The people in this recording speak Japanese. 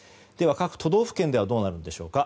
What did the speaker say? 各都道府県ではどうなるんでしょうか。